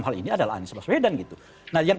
hal ini adalah anies baswedan gitu nah yang